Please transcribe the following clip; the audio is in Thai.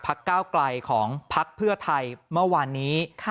ก้าวไกลของพักเพื่อไทยเมื่อวานนี้